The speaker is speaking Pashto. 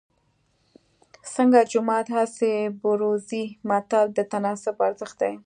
څنګه جومات هسې بروزې متل د تناسب ارزښت ښيي